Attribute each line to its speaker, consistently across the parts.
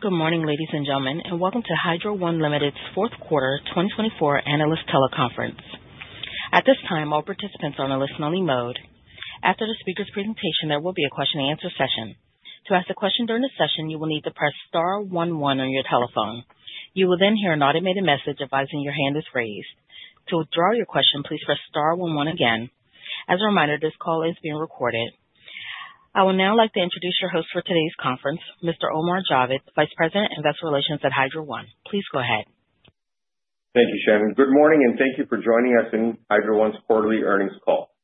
Speaker 1: Good morning, ladies and gentlemen, and welcome to Hydro One Limited's Fourth Quarter 2024 Analyst Teleconference. At this time, all participants are on a listen-only mode. After the speaker's presentation, there will be a question-and-answer session. To ask a question during the session, you will need to press star one your telephone. You will then hear an automated message advising your hand is raised. To withdraw your question, please press star one one again. As a reminder, this call is being recorded. I would now like to introduce your host for today's conference, Mr. Omar Javed, Vice President, Investor Relations at Hydro One. Please go ahead.
Speaker 2: Thank you, Shannon. Good morning, and thank you for joining us in Hydro One's Quarterly Earnings Call.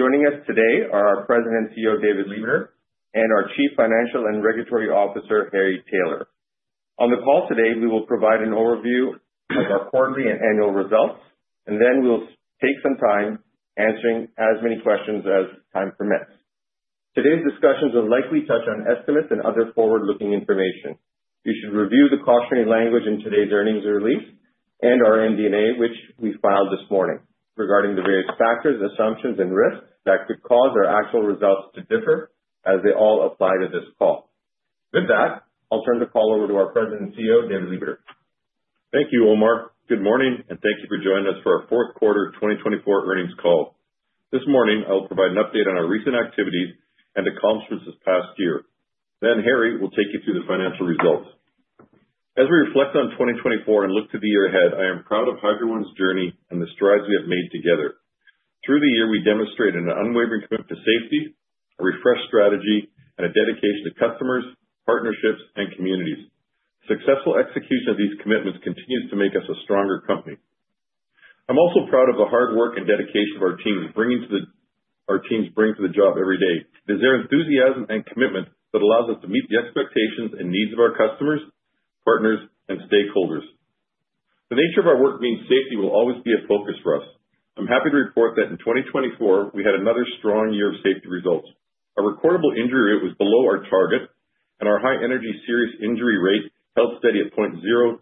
Speaker 2: Joining us today are our President and CEO, David Lebeter, and our Chief Financial and Regulatory Officer, Harry Taylor. On the call today, we will provide an overview of our quarterly and annual results, and then we'll take some time answering as many questions as time permits. Today's discussions will likely touch on estimates and other forward-looking information. You should review the cautionary language in today's earnings release and our MD&A, which we filed this morning, regarding the various factors, assumptions, and risks that could cause our actual results to differ, as they all apply to this call. With that, I'll turn the call over to our President and CEO, David Lebeter.
Speaker 3: Thank you, Omar. Good morning, and thank you for joining us for our Q4 2024 earnings call. This morning, I will provide an update on our recent activities and accomplishments this past year. Then Harry will take you through the financial results. As we reflect on 2024 and look to the year ahead, I am proud of Hydro One's journey and the strides we have made together. Through the year, we demonstrated an unwavering commitment to safety, a refreshed strategy, and a dedication to customers, partnerships, and communities. Successful execution of these commitments continues to make us a stronger company. I'm also proud of the hard work and dedication of our teams bringing to the job every day. It is their enthusiasm and commitment that allows us to meet the expectations and needs of our customers, partners, and stakeholders. The nature of our work being safety will always be a focus for us. I'm happy to report that in 2024, we had another strong year of safety results. Our recordable injury rate was below our target, and our high energy serious injury rate held steady at 0.023.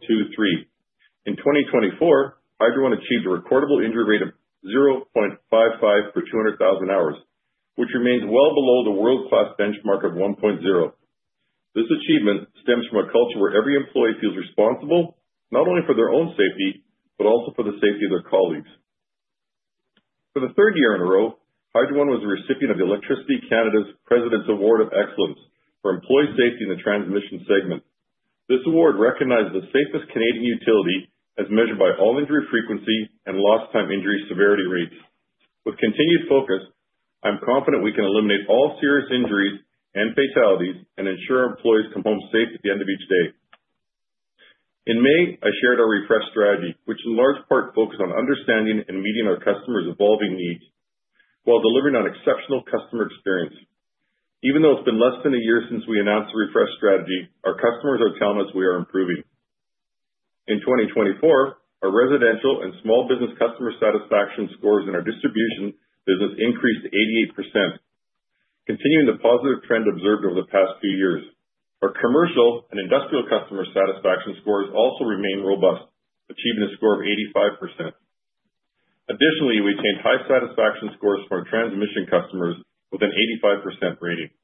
Speaker 3: In 2024, Hydro One achieved a recordable injury rate of 0.55 per 200,000 hours, which remains well below the world-class benchmark of one point zero. This achievement stems from a culture where every employee feels responsible not only for their own safety but also for the safety of their colleagues. For the third year in a row, Hydro One was a recipient of the Electricity Canada's President's Award of Excellence for employee safety in the transmission segment. This award recognizes the safest Canadian utility as measured by all injury frequency and lost time injury severity rates. With continued focus, I'm confident we can eliminate all serious injuries and fatalities and ensure our employees come home safe at the end of each day. In May, I shared our refreshed strategy, which in large part focused on understanding and meeting our customers' evolving needs while delivering on exceptional customer experience. Even though it's been less than a year since we announced the refreshed strategy, our customers are telling us we are improving. In 2024, our residential and small business customer satisfaction scores in our distribution business increased 88%, continuing the positive trend observed over the past few years. Our commercial and industrial customer satisfaction scores also remain robust, achieving a score of 85%. Additionally, we attained high satisfaction scores from our transmission customers with an 85% rating.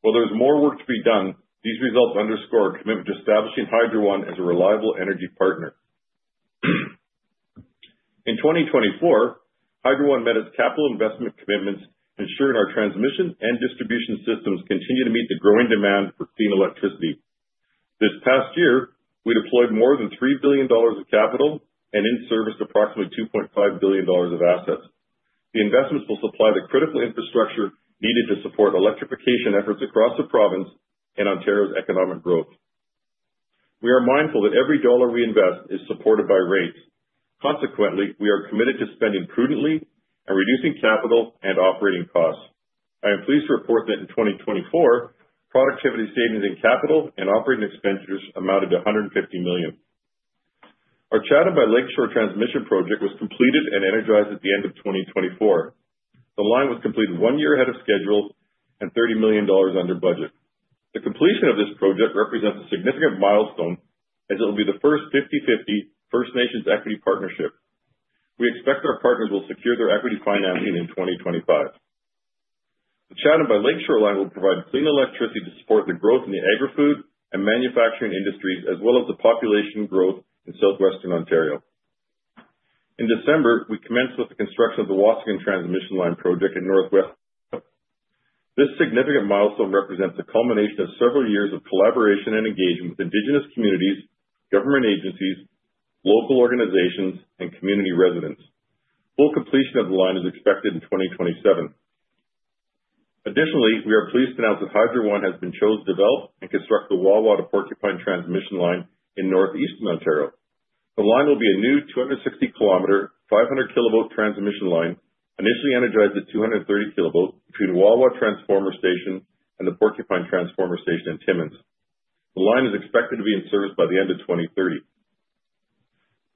Speaker 3: While there is more work to be done, these results underscore our commitment to establishing Hydro One as a reliable energy partner. In 2024, Hydro One met its capital investment commitments, ensuring our transmission and distribution systems continue to meet the growing demand for clean electricity. This past year, we deployed more than 3 billion dollars of capital and in-serviced approximately 2.5 billion dollars of assets. The investments will supply the critical infrastructure needed to support electrification efforts across the province and Ontario's economic growth. We are mindful that every dollar we invest is supported by rates. Consequently, we are committed to spending prudently and reducing capital and operating costs. I am pleased to report that in 2024, productivity savings in capital and operating expenditures amounted to 150 million. Our Chatham by Lakeshore Transmission Project was completed and energized at the end of 2024. The line was completed one year ahead of schedule and 30 million dollars under budget. The completion of this project represents a significant milestone as it will be the first 50/50 First Nations equity partnership. We expect our partners will secure their equity financing in 2025. The Chatham by Lakeshore line will provide clean electricity to support the growth in the agri-food and manufacturing industries, as well as the population growth in Southwestern Ontario. In December, we commenced with the construction of the Waasigan Transmission Line Project in Northwest. This significant milestone represents the culmination of several years of collaboration and engagement with Indigenous communities, government agencies, local organizations, and community residents. Full completion of the line is expected in 2027. Additionally, we are pleased to announce that Hydro One has been chosen to develop and construct the Wawa to Porcupine Transmission Line in Northeastern Ontario. The line will be a new 260 km, 500 kV transmission line, initially energized at 230 kV, between Wawa Transformer Station and the Porcupine Transformer Station in Timmins. The line is expected to be in-serviced by the end of 2030,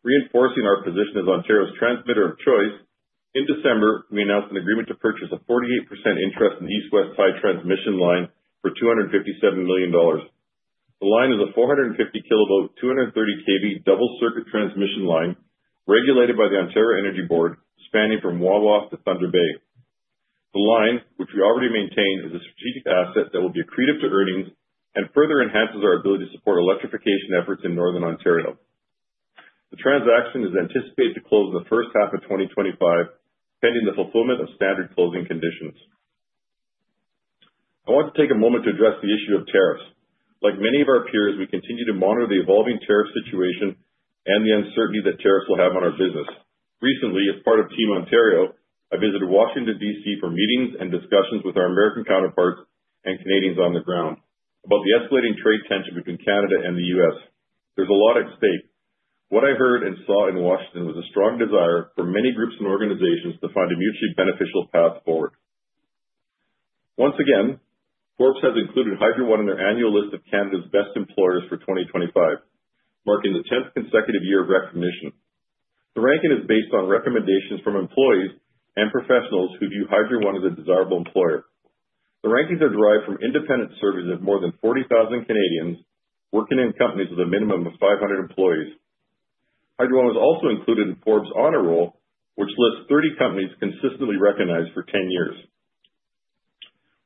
Speaker 3: reinforcing our position as Ontario's transmitter of choice. In December, we announced an agreement to purchase a 48% interest in the East-West Tie transmission line for 257 million dollars. The line is a 450 kV to 230 kV double circuit transmission line regulated by the Ontario Energy Board, spanning from Wawa to Thunder Bay. The line, which we already maintain, is a strategic asset that will be accretive to earnings and further enhances our ability to support electrification efforts in northern Ontario. The transaction is anticipated to close in the first half of 2025, pending the fulfillment of standard closing conditions. I want to take a moment to address the issue of tariffs. Like many of our peers, we continue to monitor the evolving tariff situation and the uncertainty that tariffs will have on our business. Recently, as part of Team Ontario, I visited Washington, D.C., for meetings and discussions with our American counterparts and Canadians on the ground about the escalating trade tension between Canada and the U.S. There's a lot at stake. What I heard and saw in Washington was a strong desire for many groups and organizations to find a mutually beneficial path forward. Once again, Forbes has included Hydro One in their annual list of Canada's best employers for 2025, marking the 10th consecutive year of recognition. The ranking is based on recommendations from employees and professionals who view Hydro One as a desirable employer. The rankings are derived from independent surveys of more than 40,000 Canadians working in companies with a minimum of 500 employees. Hydro One was also included in Forbes' Honor Roll, which lists 30 companies consistently recognized for 10 years.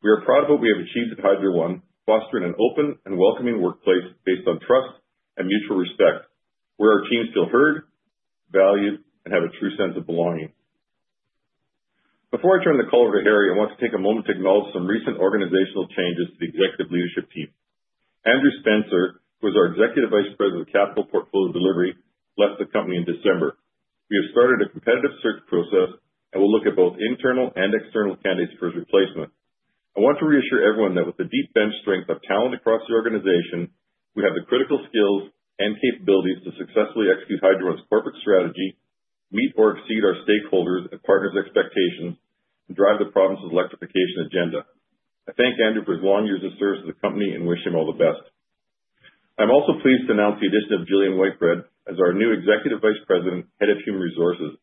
Speaker 3: We are proud of what we have achieved at Hydro One, fostering an open and welcoming workplace based on trust and mutual respect, where our teams feel heard, valued, and have a true sense of belonging. Before I turn the call over to Harry, I want to take a moment to acknowledge some recent organizational changes to the executive leadership team. Andrew Spencer, who is our Executive Vice President of Capital Portfolio Delivery, left the company in December. We have started a competitive search process and will look at both internal and external candidates for his replacement. I want to reassure everyone that with the deep bench strength of talent across the organization, we have the critical skills and capabilities to successfully execute Hydro One's corporate strategy, meet or exceed our stakeholders' and partners' expectations, and drive the province's electrification agenda. I thank Andrew for his long years of service to the company and wish him all the best. I'm also pleased to announce the addition of Gillian Whitebread as our new Executive Vice President, Head of Human Resources.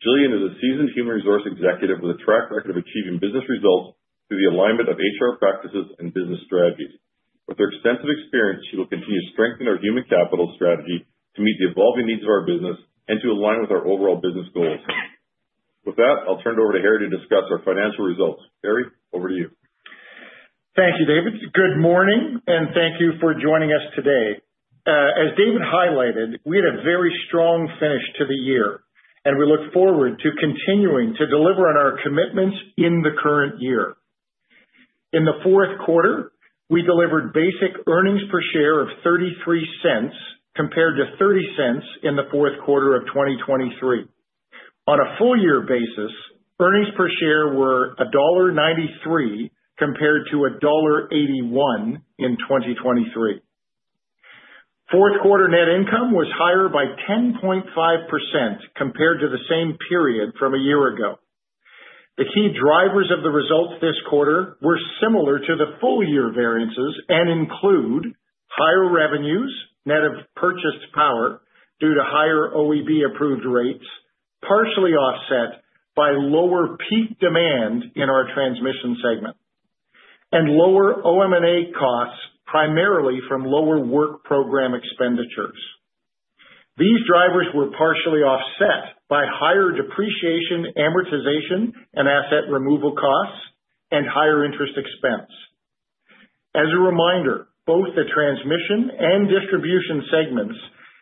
Speaker 3: Gillian is a seasoned human resource executive with a track record of achieving business results through the alignment of HR practices and business strategies. With her extensive experience, she will continue to strengthen our human capital strategy to meet the evolving needs of our business and to align with our overall business goals. With that, I'll turn it over to Harry to discuss our financial results. Harry, over to you.
Speaker 4: Thank you, David. Good morning, and thank you for joining us today. As David highlighted, we had a very strong finish to the year, and we look forward to continuing to deliver on our commitments in the current year. In the Q4, we delivered basic earnings per share of 0.33 compared to 0.30 in the Q4 of 2023. On a full year basis, earnings per share were dollar 1.93 compared to dollar 1.81 in 2023. Q4 net income was higher by 10.5% compared to the same period from a year ago. The key drivers of the results this quarter were similar to the full year variances and include higher revenues, net of purchased power due to higher OEB approved rates, partially offset by lower peak demand in our transmission segment, and lower OM&A costs primarily from lower work program expenditures. These drivers were partially offset by higher depreciation, amortization, and asset removal costs, and higher interest expense. As a reminder, both the transmission and distribution segments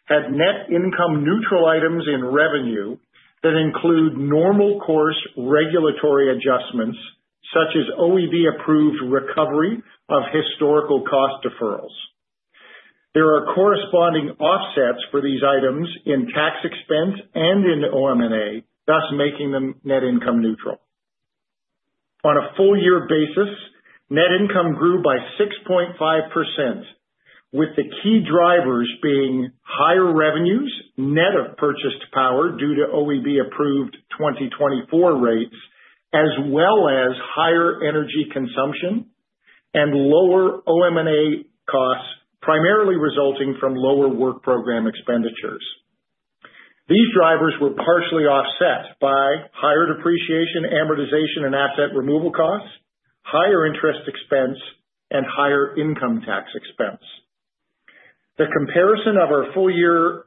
Speaker 4: had net income neutral items in revenue that include normal course regulatory adjustments, such as OEB approved recovery of historical cost deferrals. There are corresponding offsets for these items in tax expense and in OM&A, thus making them net income neutral. On a full-year basis, net income grew by 6.5%, with the key drivers being higher revenues, net of purchased power due to OEB approved 2024 rates, as well as higher energy consumption and lower OM&A costs, primarily resulting from lower work program expenditures. These drivers were partially offset by higher depreciation, amortization, and asset removal costs, higher interest expense, and higher income tax expense. The comparison of our full year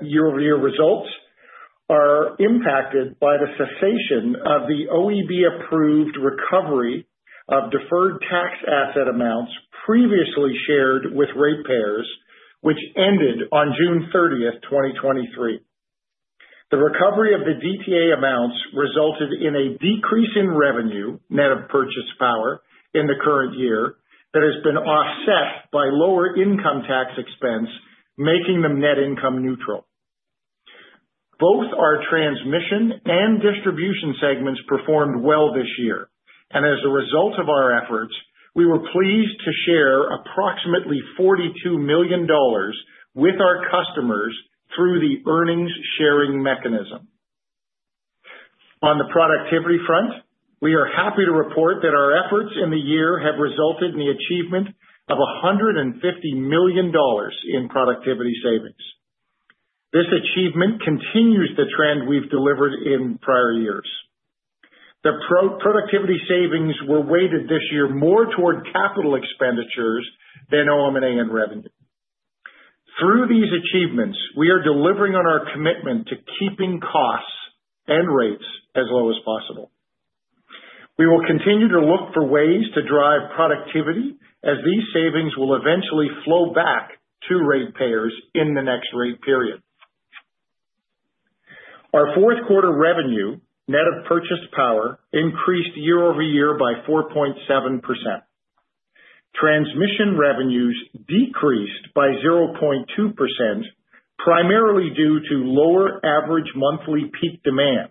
Speaker 4: year-over-year results is impacted by the cessation of the OEB approved recovery of deferred tax asset amounts previously shared with rate payers, which ended on 30 June 2023. The recovery of the DTA amounts resulted in a decrease in revenue, net of purchased power, in the current year that has been offset by lower income tax expense, making them net income neutral. Both our transmission and distribution segments performed well this year, and as a result of our efforts, we were pleased to share approximately 42 million dollars with our customers through the earnings sharing mechanism. On the productivity front, we are happy to report that our efforts in the year have resulted in the achievement of 150 million dollars in productivity savings. This achievement continues the trend we've delivered in prior years. The productivity savings were weighted this year more toward capital expenditures than OM&A and revenue. Through these achievements, we are delivering on our commitment to keeping costs and rates as low as possible. We will continue to look for ways to drive productivity, as these savings will eventually flow back to ratepayers in the next rate period. Our Q4 revenue, net of purchased power, increased year-over-year by 4.7%. Transmission revenues decreased by 0.2%, primarily due to lower average monthly peak demand,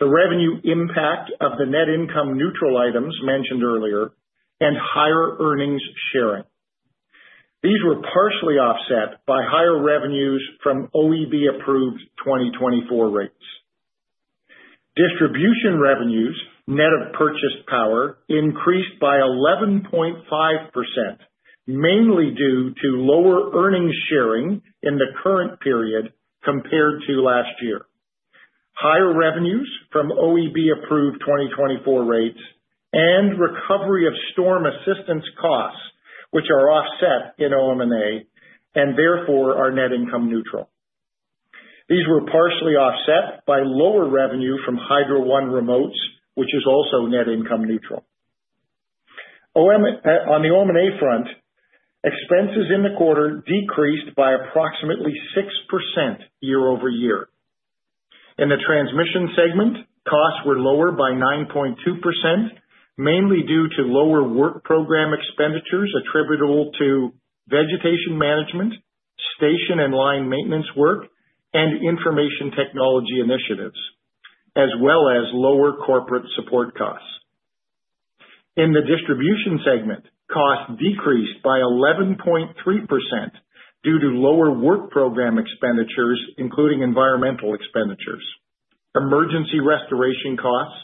Speaker 4: the revenue impact of the net income neutral items mentioned earlier, and higher earnings sharing. These were partially offset by higher revenues from OEB approved 2024 rates. Distribution revenues, net of purchased power, increased by 11.5%, mainly due to lower earnings sharing in the current period compared to last year. Higher revenues from OEB approved 2024 rates and recovery of storm assistance costs, which are offset in OM&A and therefore are net income neutral. These were partially offset by lower revenue from Hydro One Remotes, which is also net income neutral. On the OM&A front, expenses in the quarter decreased by approximately 6% year-over-year. In the transmission segment, costs were lower by 9.2%, mainly due to lower work program expenditures attributable to vegetation management, station and line maintenance work, and information technology initiatives, as well as lower corporate support costs. In the distribution segment, costs decreased by 11.3% due to lower work program expenditures, including environmental expenditures, emergency restoration costs,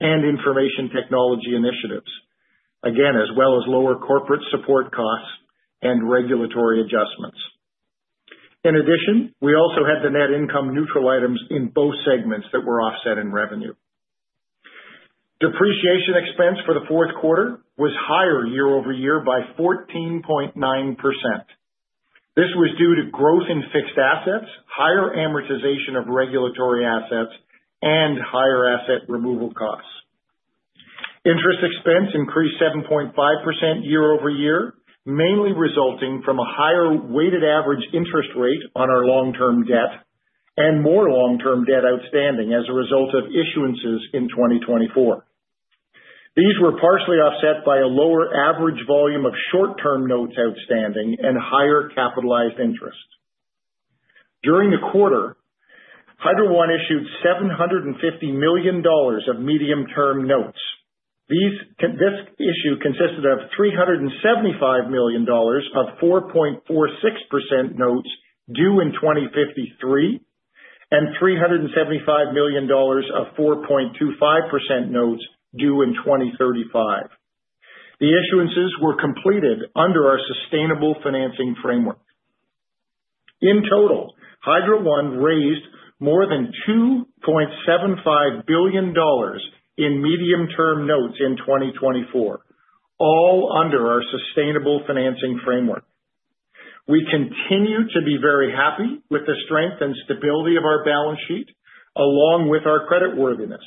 Speaker 4: and information technology initiatives, again, as well as lower corporate support costs and regulatory adjustments. In addition, we also had the net income neutral items in both segments that were offset in revenue. Depreciation expense for the Q4 was higher year-over-year by 14.9%. This was due to growth in fixed assets, higher amortization of regulatory assets, and higher asset removal costs. Interest expense increased 7.5% year-over-year, mainly resulting from a higher weighted average interest rate on our long-term debt and more long-term debt outstanding as a result of issuances in 2024. These were partially offset by a lower average volume of short-term notes outstanding and higher capitalized interest. During the quarter, Hydro One issued 750 million dollars of medium term notes. This issue consisted of 375 million dollars of 4.46% notes due in 2053 and 375 million dollars of 4.25% notes due in 2035. The issuances were completed under our Sustainable Financing Framework. In total, Hydro One raised more than 2.75 billion dollars in medium-term notes in 2024, all under our Sustainable Financing Framework. We continue to be very happy with the strength and stability of our balance sheet, along with our creditworthiness.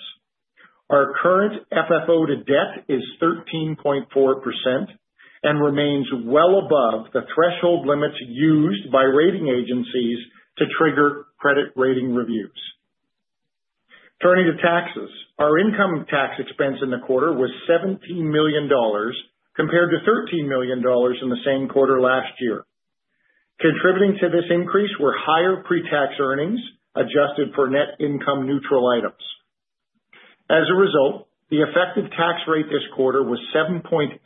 Speaker 4: Our current FFO to debt is 13.4% and remains well above the threshold limits used by rating agencies to trigger credit rating reviews. Turning to taxes, our income tax expense in the quarter was 17 million dollars compared to 13 million dollars in the same quarter last year. Contributing to this increase were higher pre-tax earnings adjusted for net income neutral items. As a result, the effective tax rate this quarter was 7.8%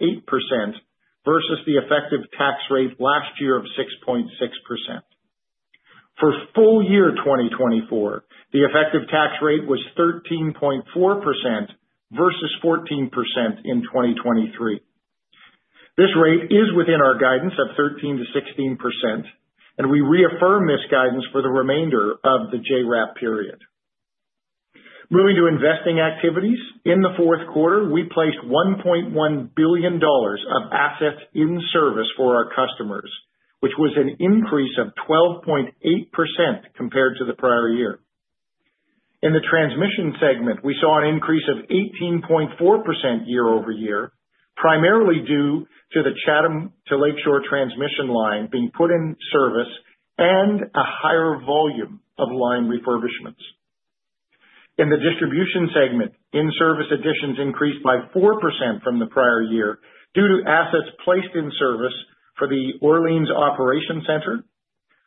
Speaker 4: versus the effective tax rate last year of 6.6%. For full year 2024, the effective tax rate was 13.4% versus 14% in 2023. This rate is within our guidance of 13%-16%, and we reaffirm this guidance for the remainder of the JRAP period. Moving to investing activities, in the Q4, we placed 1.1 billion dollars of assets in service for our customers, which was an increase of 12.8% compared to the prior year. In the transmission segment, we saw an increase of 18.4% year-over-year, primarily due to the Chatham to Lakeshore transmission line being put in service and a higher volume of line refurbishments. In the distribution segment, in-service additions increased by 4% from the prior year due to assets placed in service for the Orléans Operations Center,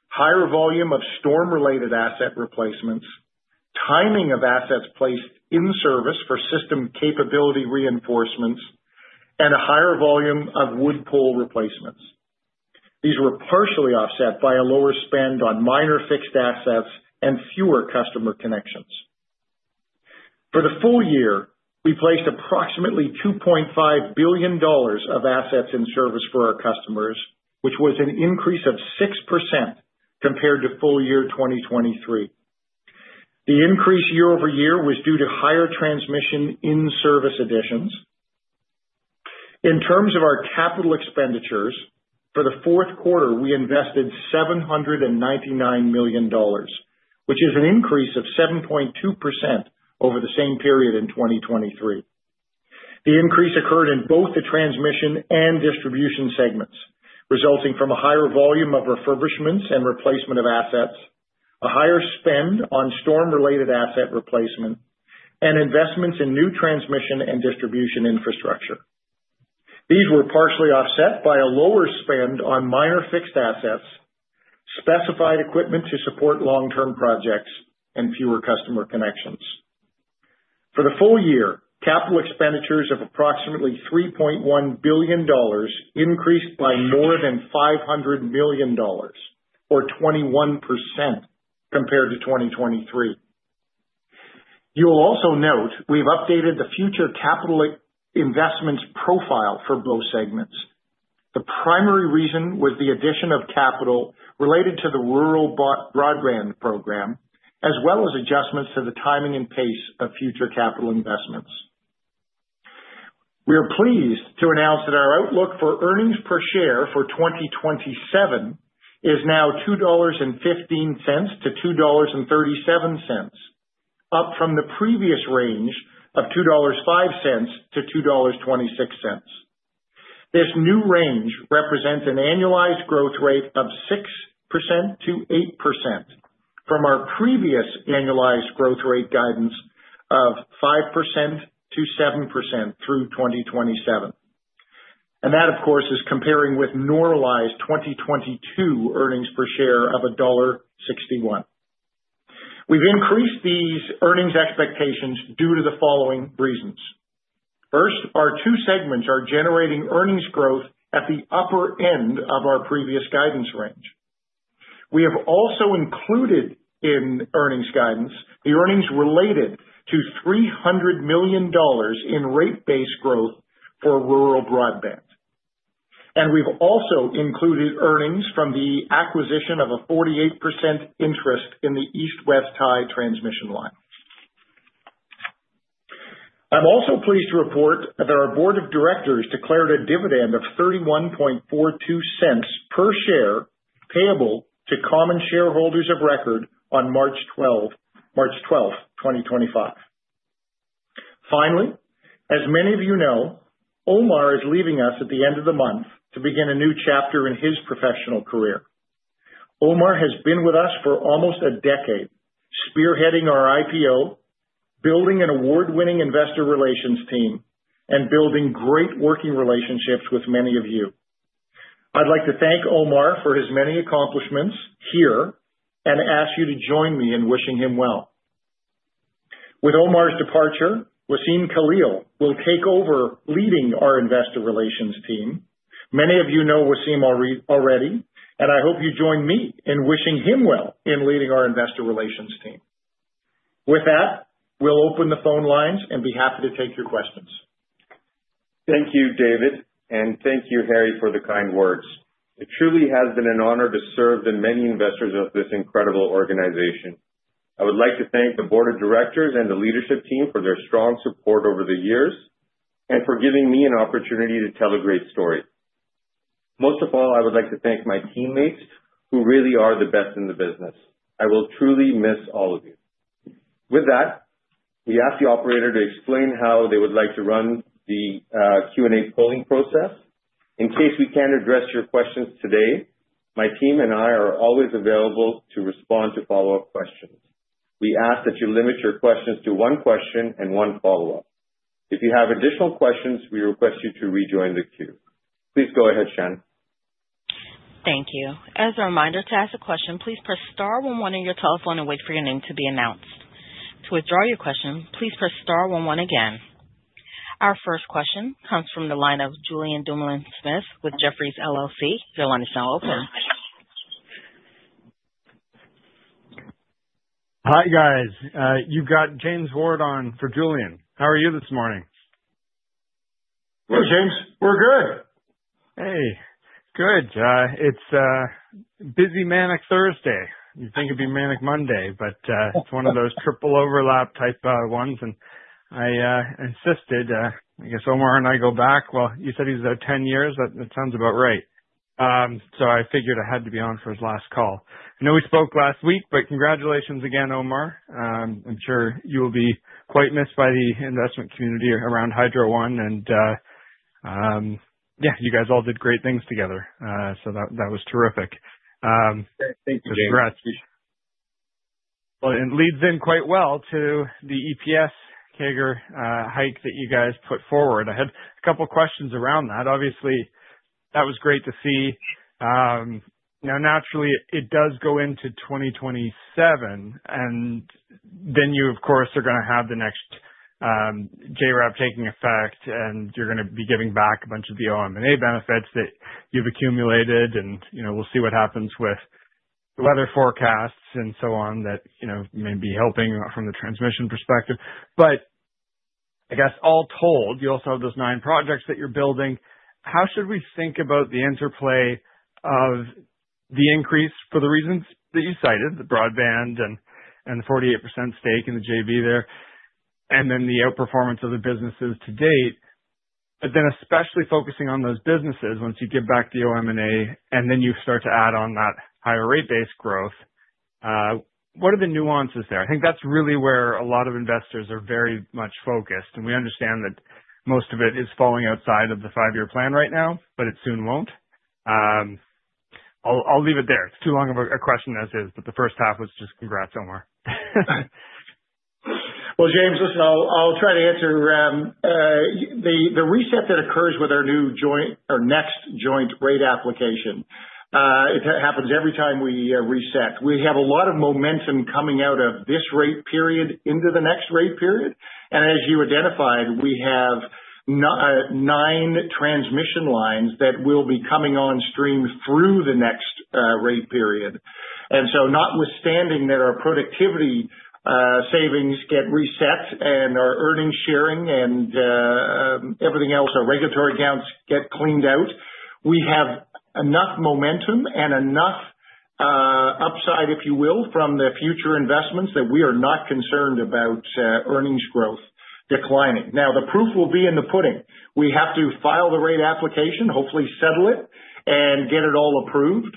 Speaker 4: higher volume of storm related asset replacements, timing of assets placed in service for system capability reinforcements, and a higher volume of wood pole replacements. These were partially offset by a lower spend on minor fixed assets and fewer customer connections. For the full year, we placed approximately 2.5 billion dollars of assets in service for our customers, which was an increase of 6% compared to full-year 2023. The increase year-over-year was due to higher transmission in-service additions. In terms of our capital expenditures, for the Q4, we invested 799 million dollars, which is an increase of 7.2% over the same period in 2023. The increase occurred in both the transmission and distribution segments, resulting from a higher volume of refurbishments and replacement of assets, a higher spend on storm related asset replacement, and investments in new transmission and distribution infrastructure. These were partially offset by a lower spend on minor fixed assets, specified equipment to support long term projects, and fewer customer connections. For the full year, capital expenditures of approximately 3.1 billion dollars increased by more than 500 million dollars, or 21% compared to 2023. You will also note we've updated the future capital investments profile for both segments. The primary reason was the addition of capital related to the rural broadband program, as well as adjustments to the timing and pace of future capital investments. We are pleased to announce that our outlook for earnings per share for 2027 is now 2.15 dollars to 2.37, up from the previous range of 2.05 dollars to 2.26. This new range represents an annualized growth rate of 6% to 8% from our previous annualized growth rate guidance of 5% to 7% through 2027. And that, of course, is comparing with normalized 2022 earnings per share of dollar 1.61. We've increased these earnings expectations due to the following reasons. First, our two segments are generating earnings growth at the upper end of our previous guidance range. We have also included in earnings guidance, the earnings related to 300 million dollars in rate based growth for rural broadband. And we've also included earnings from the acquisition of a 48% interest in the East-West Tie transmission line. I'm also pleased to report that our board of directors declared a dividend of 0.3142 per share payable to common shareholders of record on 12 March 2025. Finally, as many of you know, Omar is leaving us at the end of the month to begin a new chapter in his professional career. Omar has been with us for almost a decade, spearheading our IPO, building an award-winning investor relations team, and building great working relationships with many of you. I'd like to thank Omar for his many accomplishments here and ask you to join me in wishing him well. With Omar's departure, Wassem Khalil will take over leading our investor relations team. Many of you know Wassem already, and I hope you join me in wishing him well in leading our Investor Relations team. With that, we'll open the phone lines and be happy to take your questions.
Speaker 2: Thank you, David, and thank you, Harry, for the kind words. It truly has been an honor to serve the many investors of this incredible organization. I would like to thank the board of directors and the leadership team for their strong support over the years and for giving me an opportunity to tell a great story. Most of all, I would like to thank my teammates, who really are the best in the business. I will truly miss all of you. With that, we ask the operator to explain how they would like to run the Q&A polling process. In case we can't address your questions today, my team and I are always available to respond to follow-up questions. We ask that you limit your questions to one question and one follow-up. If you have additional questions, we request you to rejoin the queue. Please go ahead, Shannon.
Speaker 1: Thank you. As a reminder to ask a question, please press star 11 on your telephone and wait for your name to be announced. To withdraw your question, please press star 11 again. Our first question comes from the line of Julien Dumoulin-Smith with Jefferies LLC. Your line is now open.
Speaker 5: Hi, guys. You've got James Ward on for Julien. How are you this morning?
Speaker 4: Hello, James. We're good.
Speaker 5: Hey. Good. It's a busy manic Thursday. You'd think it'd be manic Monday, but it's one of those triple overlap type ones, and I insisted. I guess Omar and I go back. Well, you said he's there 10 years, that sounds about right. So I figured I had to be on for his last call. I know we spoke last week, but congratulations again, Omar. I'm sure you will be quite missed by the investment community around Hydro One. And yeah, you guys all did great things together. So that was terrific.
Speaker 2: Thank you so much. Congrats.
Speaker 5: Well, it leads in quite well to the EPS CAGR hike that you guys put forward. I had a couple of questions around that. Obviously, that was great to see. Now, naturally, it does go into 2027, and then you, of course, are going to have the next JRAP taking effect, and you're going to be giving back a bunch of the OM&A benefits that you've accumulated. And we'll see what happens with the weather forecasts and so on that may be helping from the transmission perspective. But I guess all told, you also have those nine projects that you're building. How should we think about the interplay of the increase for the reasons that you cited, the broadband and the 48% stake in the JV there, and then the outperformance of the businesses to date, but then especially focusing on those businesses once you give back the OM&A and then you start to add on that higher rate-based growth? What are the nuances there? I think that's really where a lot of investors are very much focused. And we understand that most of it is falling outside of the five-year plan right now, but it soon won't. I'll leave it there. It's too long of a question as is, but the first half was just congrats, Omar.
Speaker 4: James, listen, I'll try to answer. The reset that occurs with our new joint or next joint rate application, it happens every time we reset. We have a lot of momentum coming out of this rate period into the next rate period. As you identified, we have nine transmission lines that will be coming on stream through the next rate period. So notwithstanding that our productivity savings get reset and our earnings sharing and everything else, our regulatory accounts get cleaned out, we have enough momentum and enough upside, if you will, from the future investments that we are not concerned about earnings growth declining. Now, the proof will be in the pudding. We have to file the rate application, hopefully settle it, and get it all approved.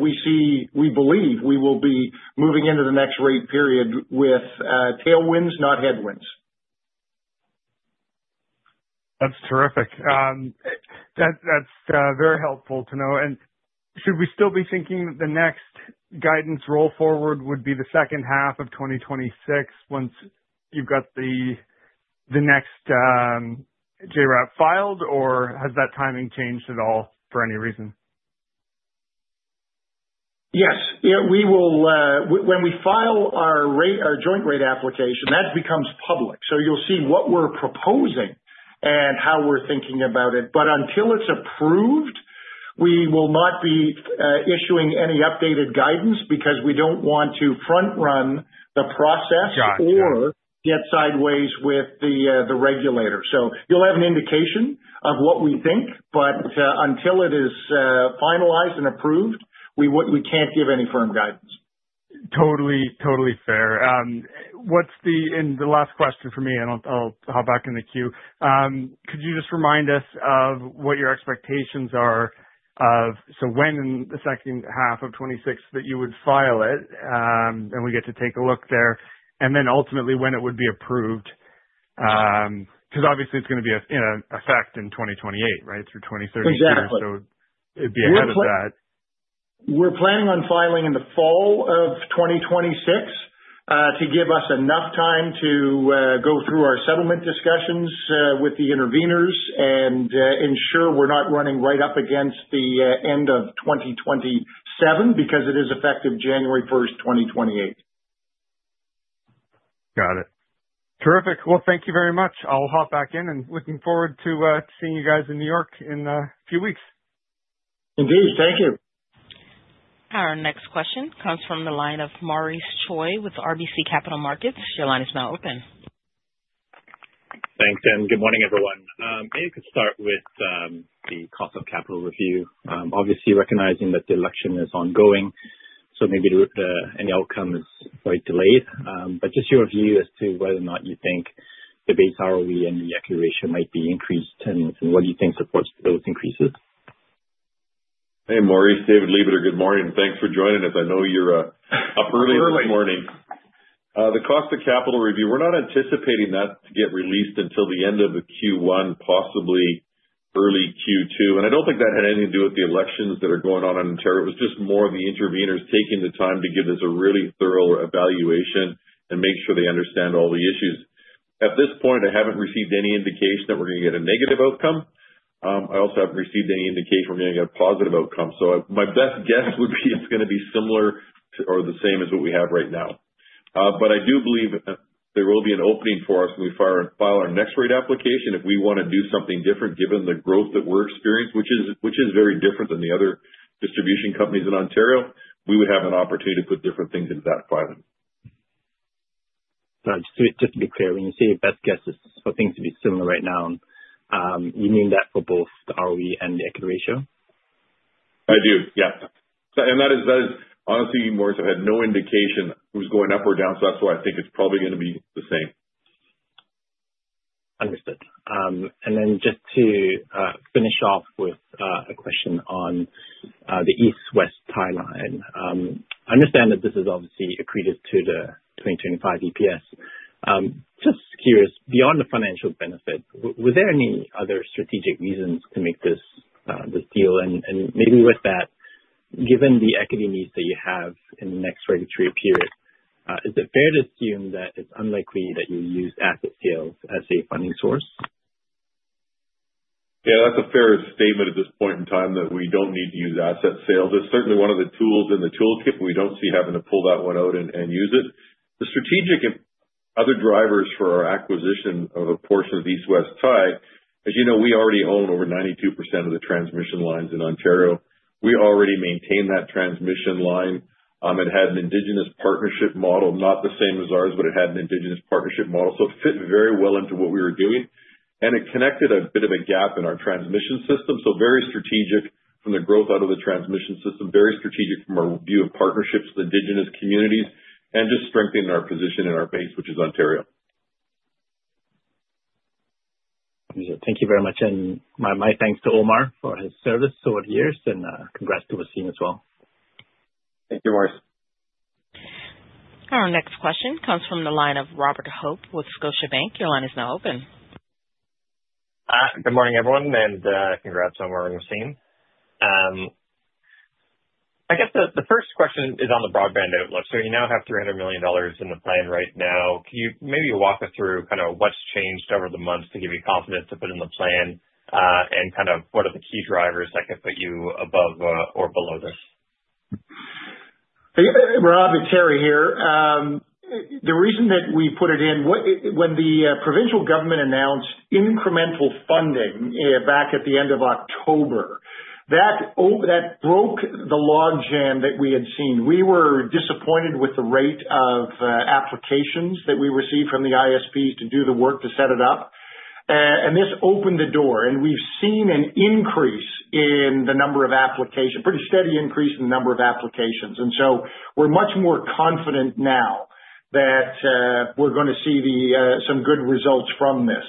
Speaker 4: We believe we will be moving into the next rate period with tailwinds, not headwinds.
Speaker 5: That's terrific. That's very helpful to know. And should we still be thinking that the next guidance roll forward would be the second half of 2026 once you've got the next JRAP filed, or has that timing changed at all for any reason?
Speaker 4: Yes. When we file our joint rate application, that becomes public. So you'll see what we're proposing and how we're thinking about it. But until it's approved, we will not be issuing any updated guidance because we don't want to front-run the process or get sideways with the regulator. So you'll have an indication of what we think, but until it is finalized and approved, we can't give any firm guidance.
Speaker 5: Totally, totally fair, and the last question for me, and I'll hop back in the queue. Could you just remind us of what your expectations are, so when in the H2 of 2026 that you would file it, and we get to take a look there, and then ultimately when it would be approved? Because obviously, it's going to be in effect in 2028, right, through 2037.
Speaker 4: Exactly.
Speaker 5: So it'd be ahead of that.
Speaker 4: We're planning on filing in the fall of 2026 to give us enough time to go through our settlement discussions with the interveners and ensure we're not running right up against the end of 2027 because it is effective 1 January 2028.
Speaker 5: Got it.
Speaker 4: Terrific. Well, thank you very much. I'll hop back in and looking forward to seeing you guys in New York in a few weeks.
Speaker 5: Indeed. Thank you.
Speaker 4: Our next question comes from the line of Maurice Choy with RBC Capital Markets. Your line is now open.
Speaker 6: Thanks, Dan. Good morning, everyone. Maybe we could start with the cost of capital review. Obviously, recognizing that the election is ongoing, so maybe any outcome is quite delayed. But just your view as to whether or not you think the base ROE and the equity ratio might be increased, and what do you think supports those increases?
Speaker 3: Hey, Maurice. David Lebeter, good morning. Thanks for joining us. I know you're up early this morning. The cost of capital review, we're not anticipating that to get released until the end of Q1, possibly early Q2. And I don't think that had anything to do with the elections that are going on in Ontario. It was just more of the intervenors taking the time to give us a really thorough evaluation and make sure they understand all the issues. At this point, I haven't received any indication that we're going to get a negative outcome. I also haven't received any indication we're going to get a positive outcome. So my best guess would be it's going to be similar or the same as what we have right now. But I do believe there will be an opening for us when we file our next rate application. If we want to do something different, given the growth that we're experiencing, which is very different than the other distribution companies in Ontario, we would have an opportunity to put different things into that filing.
Speaker 6: Just to be clear, when you say your best guess is for things to be similar right now, you mean that for both the ROE and the equity ratio?
Speaker 3: I do. Yeah, and honestly, Maurice, I've had no indication who's going up or down, so that's why I think it's probably going to be the same.
Speaker 6: Understood. And then just to finish off with a question on the East-West Tie. I understand that this is obviously accretive to the 2025 EPS. Just curious, beyond the financial benefit, were there any other strategic reasons to make this deal? And maybe with that, given the equity needs that you have in the next regulatory period, is it fair to assume that it's unlikely that you'll use asset sales as a funding source?
Speaker 3: Yeah, that's a fair statement at this point in time that we don't need to use asset sales. It's certainly one of the tools in the toolkit, but we don't see having to pull that one out and use it. The strategic other drivers for our acquisition of a portion of East-West Tie, as you know, we already own over 92% of the transmission lines in Ontario. We already maintain that transmission line. It had an indigenous partnership model, not the same as ours, but it had an indigenous partnership model. So it fit very well into what we were doing. And it connected a bit of a gap in our transmission system. So very strategic from the growth out of the transmission system, very strategic from our view of partnerships with indigenous communities, and just strengthening our position and our base, which is Ontario.
Speaker 6: Thank you very much. My thanks to Omar for his service over the years, and congrats to Wassem as well.
Speaker 3: Thank you, Maurice.
Speaker 1: Our next question comes from the line of Robert Hope with Scotiabank. Your line is now open.
Speaker 7: Good morning, everyone, and congrats, Omar and Wassem. I guess the first question is on the broadband outlook. So you now have 300 million dollars in the plan right now. Can you maybe walk us through kind of what's changed over the months to give you confidence to put in the plan? And kind of what are the key drivers that could put you above or below this?
Speaker 4: Rob, Harry here. The reason that we put it in, when the provincial government announced incremental funding back at the end of October, that broke the log jam that we had seen. We were disappointed with the rate of applications that we received from the ISPs to do the work to set it up, and this opened the door. We've seen an increase in the number of applications, a pretty steady increase in the number of applications, and so we're much more confident now that we're going to see some good results from this.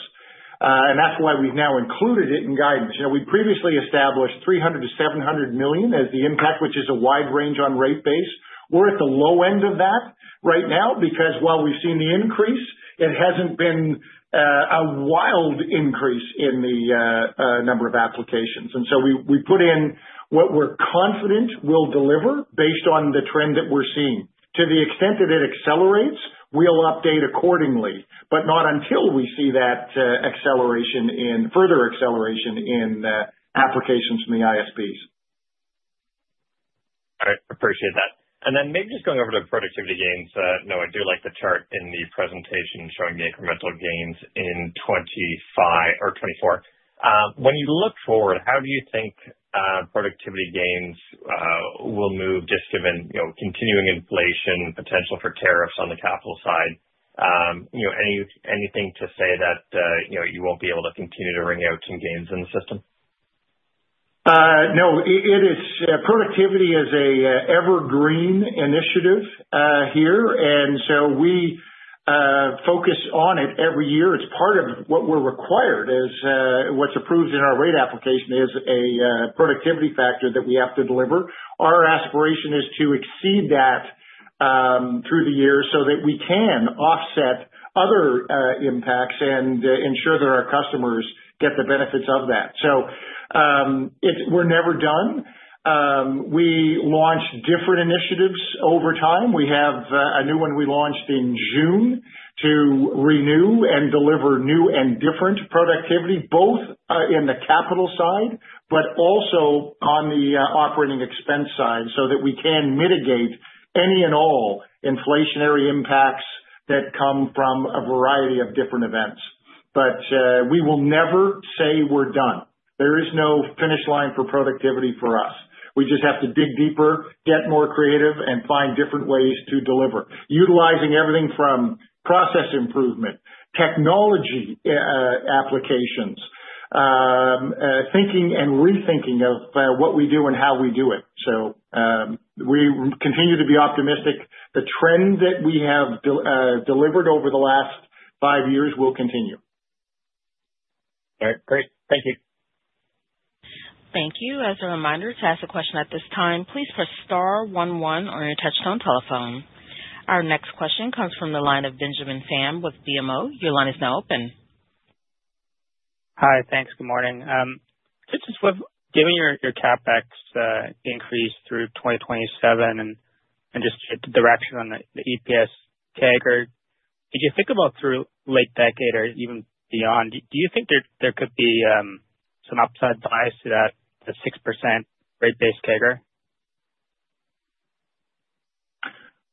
Speaker 4: That's why we've now included it in guidance. We previously established 300 to 700 million as the impact, which is a wide range on rate base. We're at the low end of that right now because while we've seen the increase, it hasn't been a wild increase in the number of applications. So we put in what we're confident will deliver based on the trend that we're seeing. To the extent that it accelerates, we'll update accordingly, but not until we see that further acceleration in applications from the ISPs.
Speaker 6: All right. Appreciate that. And then maybe just going over to productivity gains. I do like the chart in the presentation showing the incremental gains in 2024. When you look forward, how do you think productivity gains will move just given continuing inflation, potential for tariffs on the capital side? Anything to say that you won't be able to continue to bring out some gains in the system?
Speaker 4: No, it is. Productivity is an evergreen initiative here, and so we focus on it every year. It's part of what we're required. What's approved in our rate application is a productivity factor that we have to deliver. Our aspiration is to exceed that through the year so that we can offset other impacts and ensure that our customers get the benefits of that, so we're never done. We launch different initiatives over time. We have a new one we launched in June to renew and deliver new and different productivity, both in the capital side, but also on the operating expense side so that we can mitigate any and all inflationary impacts that come from a variety of different events, but we will never say we're done. There is no finish line for productivity for us. We just have to dig deeper, get more creative, and find different ways to deliver, utilizing everything from process improvement, technology applications, thinking and rethinking of what we do and how we do it. So we continue to be optimistic. The trend that we have delivered over the last five years will continue.
Speaker 6: All right. Great. Thank you.
Speaker 1: Thank you. As a reminder to ask a question at this time, please press star one one on your touch tone telephone. Our next question comes from the line of Benjamin Pham with BMO. Your line is now open.
Speaker 8: Hi. Thanks. Good morning. Just with given your CapEx increase through 2027 and just the direction on the EPS CAGR, if you think about through late decade or even beyond, do you think there could be some upside bias to that 6% rate based CAGR?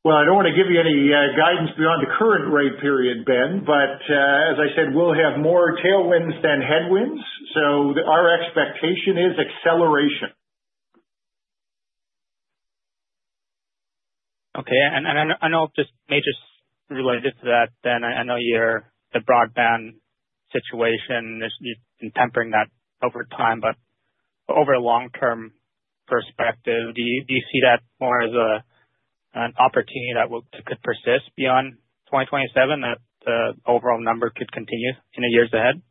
Speaker 4: I don't want to give you any guidance beyond the current rate period, Ben, but as I said, we'll have more tailwinds than headwinds, so our expectation is acceleration.
Speaker 8: Okay. And I know just may relate this to that, Ben. I know you're the broadband situation. You've been tempering that over time. But over a long term perspective, do you see that more as an opportunity that could persist beyond 2027, that the overall number could continue in the years ahead?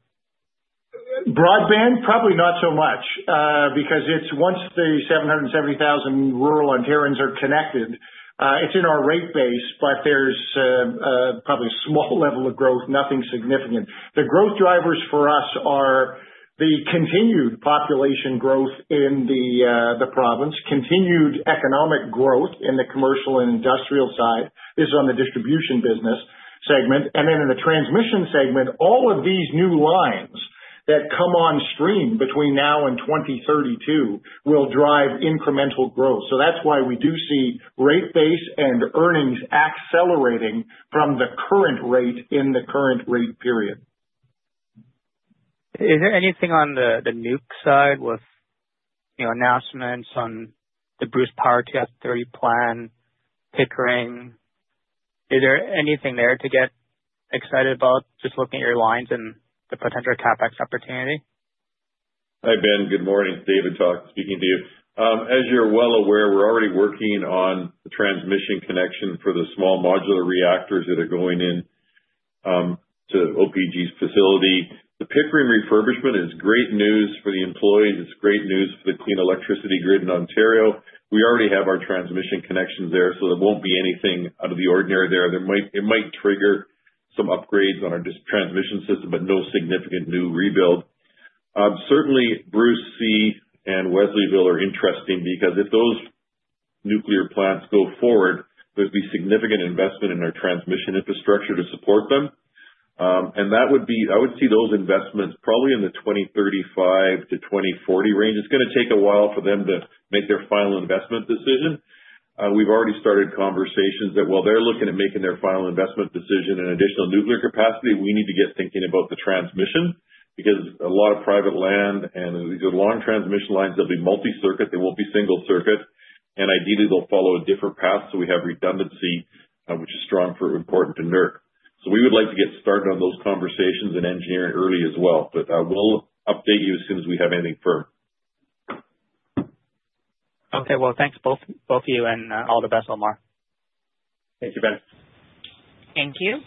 Speaker 4: Broadband, probably not so much because once the 770,000 rural Ontarians are connected, it's in our rate base, but there's probably a small level of growth, nothing significant. The growth drivers for us are the continued population growth in the province, continued economic growth in the commercial and industrial side. This is on the distribution business segment. And then in the transmission segment, all of these new lines that come on stream between now and 2032 will drive incremental growth. So that's why we do see rate base and earnings accelerating from the current rate in the current rate period.
Speaker 8: Is there anything on the nuke side with announcements on the Bruce Power 2030 plant, Pickering? Is there anything there to get excited about just looking at your lines and the potential CapEx opportunity?
Speaker 3: Hi, Ben. Good morning. David Lebeter speaking to you. As you're well aware, we're already working on the transmission connection for the small modular reactors that are going in to the OPG's facility. The Pickering refurbishment is great news for the employees. It's great news for the clean electricity grid in Ontario. We already have our transmission connections there, so there won't be anything out of the ordinary there. It might trigger some upgrades on our transmission system, but no significant new rebuild. Certainly, Bruce C and Wesleyville are interesting because if those nuclear plants go forward, there'd be significant investment in our transmission infrastructure to support them. And I would see those investments probably in the 2035 to 2040 range. It's going to take a while for them to make their final investment decision. We've already started conversations that while they're looking at making their final investment decision in additional nuclear capacity, we need to get thinking about the transmission because a lot of private land and these are long transmission lines. They'll be multi-circuit. They won't be single circuit. And ideally, they'll follow a different path so we have redundancy, which is strongly important to NERC. So we would like to get started on those conversations and engineering early as well. But we'll update you as soon as we have anything firm.
Speaker 8: Okay. Well, thanks both of you and all the best, Omar.
Speaker 3: Thank you, Ben.
Speaker 1: Thank you.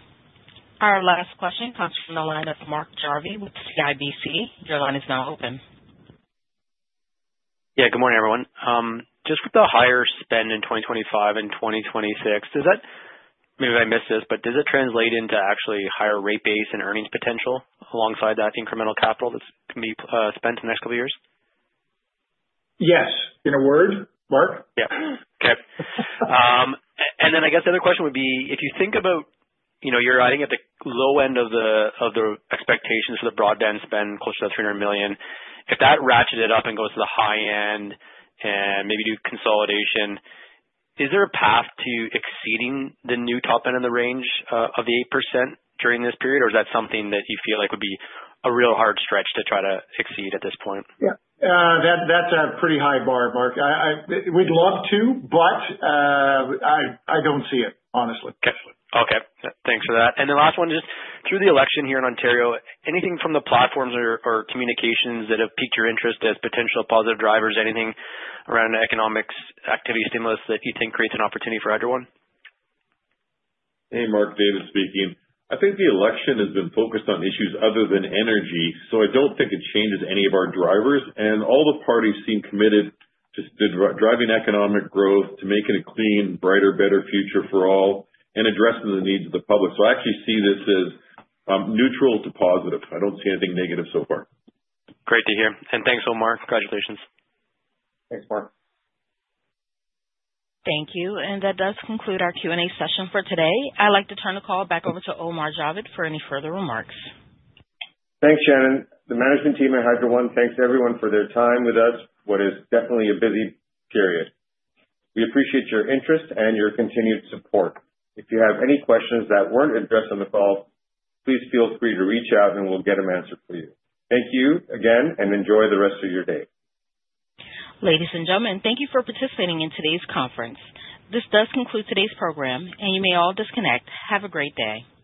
Speaker 1: Our last question comes from the line of Mark Jarvi with CIBC, your line is now open.
Speaker 9: Yeah. Good morning, everyone. Just with the higher spend in 2025 and 2026, does that, maybe I missed this, but does it translate into actually higher rate base and earnings potential alongside that incremental capital that can be spent in the next couple of years?
Speaker 4: Yes. In a word, Mark?
Speaker 9: Yeah. Okay. And then I guess the other question would be, if you think about you're riding at the low end of the expectations for the broadband spend, close to the 300 million, if that ratchets it up and goes to the high end and maybe do consolidation, is there a path to exceeding the new top end in the range of the 8% during this period, or is that something that you feel like would be a real hard stretch to try to exceed at this point?
Speaker 4: Yeah. That's a pretty high bar, Mark. We'd love to, but I don't see it, honestly.
Speaker 9: Okay. Thanks for that. And the last one is just through the election here in Ontario, anything from the platforms or communications that have piqued your interest as potential positive drivers, anything around economic activity stimulus that you think creates an opportunity for either one?
Speaker 3: Hey, Mark. David speaking. I think the election has been focused on issues other than energy, so I don't think it changes any of our drivers. And all the parties seem committed to driving economic growth, to making a clean, brighter, better future for all, and addressing the needs of the public. So I actually see this as neutral to positive. I don't see anything negative so far.
Speaker 9: Great to hear. And thanks, Omar. Congratulations.
Speaker 3: Thanks, Mark.
Speaker 1: Thank you, and that does conclude our Q&A session for today. I'd like to turn the call back over to Omar Javed for any further remarks.
Speaker 2: Thanks, Shannon. The management team at Hydro One thanks everyone for their time with us, which is definitely a busy period. We appreciate your interest and your continued support. If you have any questions that weren't addressed on the call, please feel free to reach out and we'll get them answered for you. Thank you again and enjoy the rest of your day.
Speaker 1: Ladies and gentlemen, thank you for participating in today's conference. This does conclude today's program, and you may all disconnect. Have a great day.